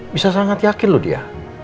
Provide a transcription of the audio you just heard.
bisa sangat yakin loh dia